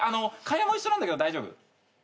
賀屋も一緒なんだけど大丈夫？